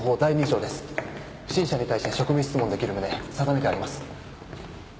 不審者に対して職務質問できる旨定めてあります。